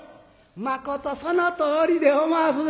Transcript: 「まことそのとおりでおます」。